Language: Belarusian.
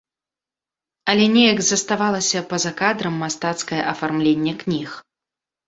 Але неяк заставалася па-за кадрам мастацкае афармленне кніг.